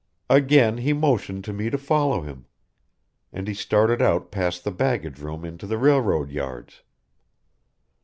Again he motioned to me to follow him. And he started out past the baggage room into the railroad yards.